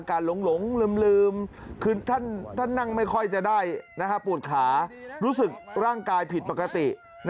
หลงลืมคือท่านนั่งไม่ค่อยจะได้ปวดขารู้สึกร่างกายผิดปกติ